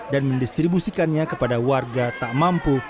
dan mendistribusikannya kepada warga tak mampu